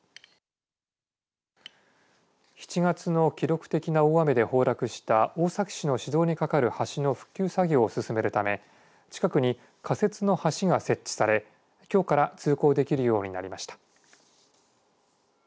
７月の記録的な大雨で崩落した大崎市の市道に架かる橋の復旧作業を進めるため近くに仮設の橋が設置されきょうから通行できるようになりました。